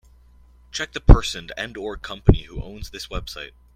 Check the person and/or company who owns this website.